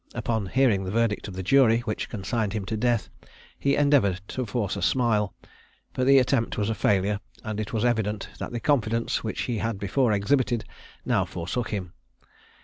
Upon hearing the verdict of the jury, which consigned him to death, he endeavoured to force a smile, but the attempt was a failure, and it was evident that the confidence which he had before exhibited, now forsook him.